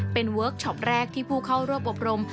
เป็นเวิร์คช็อปแรกที่ผู้เข้ารวบอบรม